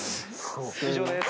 以上です。